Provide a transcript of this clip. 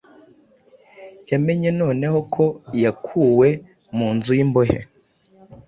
Yamenye noneho ko yakuwe mu nzu y’imbohe